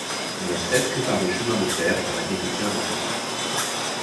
On n’y accède que par des chemins de terre qu’un agriculteur entretient.